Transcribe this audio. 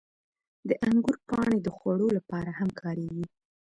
• د انګورو پاڼې د خوړو لپاره هم کارېږي.